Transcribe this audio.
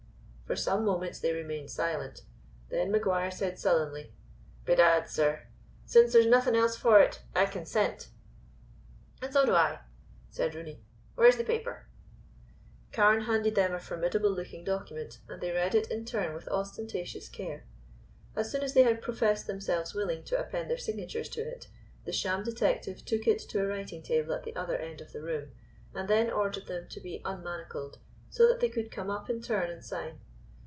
For some moments they remained silent. Then Maguire said sullenly: "Bedad, sir, since there's nothing else for it, I consent." "And so do I," said Rooney. "Where's the paper?" Carne handed them a formidable looking document, and they read it in turn with ostentatious care. As soon as they had professed themselves willing to append their signatures to it, the sham detective took it to a writing table at the other end of the room, and then ordered them to be unmanacled, so that they could come up in turn and sign.